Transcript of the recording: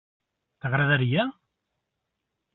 T'agradaria?